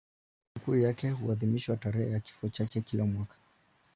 Sikukuu yake huadhimishwa tarehe ya kifo chake kila mwaka.